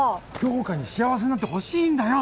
杏花に幸せになってほしいんだよ